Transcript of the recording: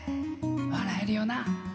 笑えるよな。